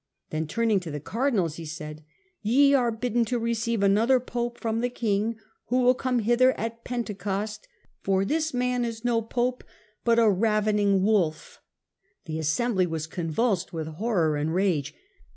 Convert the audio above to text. Then, turning to the cardinals, he said : *Ye are bidden to receive another pope from tha^i^ ^ing, who will come hither at Pentecost ; for this man Digitized by VjOOQIC 1 1 8 HlLDEBRAND is no pope, but a ravening wolf.* The assembly was" convulsed with horror and rage.